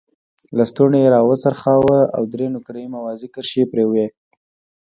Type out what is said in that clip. لستوڼی یې را وڅرخاوه او درې نقره یي موازي کرښې یې پرې وې.